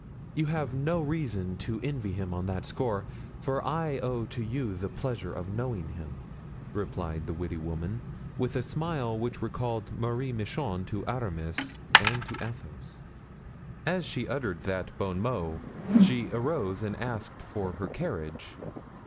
"You have no reason to envy him on that score, for I owe to you the pleasure of knowing him," replied the witty woman, with a smile which recalled Marie Michon to Aramis and to Athos. As she uttered that bon mot, she arose and asked for her carriage.